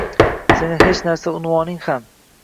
seni hech narsa unvoning ham